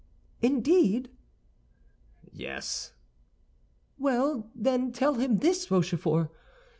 "Indeed!" "Yes." "Well, then, tell him this, Rochefort.